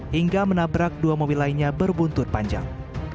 hingga menabrak dua mobil lainnya berbuntut panjang